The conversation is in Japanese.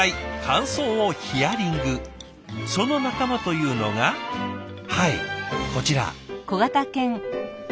その仲間というのがはいこちら。